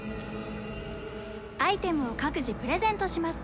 アイテムを各自プレゼントします。